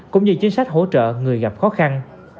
cũng như chính sách hỗ trợ người gặp khó khăn